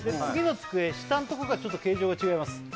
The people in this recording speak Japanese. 次の机下のとこがちょっと形状が違います